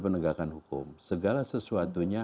penegakan hukum segala sesuatunya